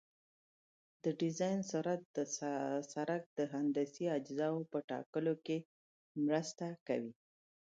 د ډیزاین سرعت د سرک د هندسي اجزاوو په ټاکلو کې مرسته کوي